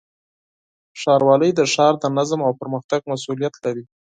ښاروالۍ د ښار د نظم او پرمختګ مسؤلیت لري.